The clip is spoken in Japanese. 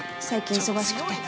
最近忙しくて。